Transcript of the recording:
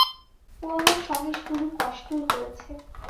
ও আমার সঙ্গে শুধু কষ্টই করেছে।